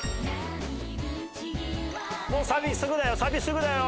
もうサビすぐだよ。